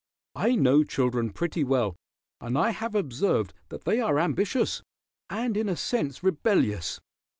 "I know children pretty well, and I have observed that they are ambitious, and in a sense rebellious.